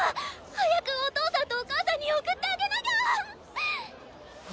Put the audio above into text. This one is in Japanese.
早くお父さんとお母さんに送ってあげなきゃ！